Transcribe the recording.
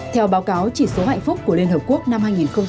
theo báo cáo chỉ số hạnh phúc của liên hợp quốc năm hai nghìn hai mươi